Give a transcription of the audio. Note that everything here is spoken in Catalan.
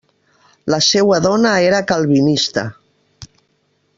La seua dona era calvinista.